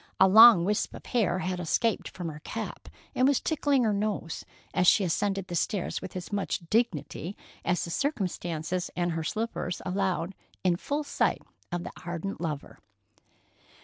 A long wisp of hair had escaped from her cap and was tickling her nose, as she ascended the stairs with as much dignity as the circumstances and her slippers allowed, in full sight of the ardent lover.